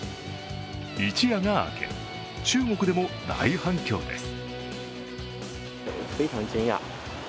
一夜が明け、中国でも大反響です。